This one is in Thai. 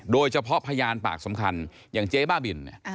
โดยเฉพาะพยานปากสำคัญอย่างเจ๊บ้าบิน